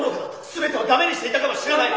すべてをだめにしていたかもしれない！